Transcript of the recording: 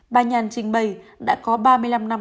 bà nhàn trinh mây đã có ba mươi năm năm công nghiệp